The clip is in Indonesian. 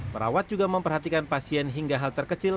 perawat juga memperhatikan pasien hingga hal terkecil